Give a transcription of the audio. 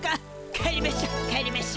帰りましょ帰りましょ。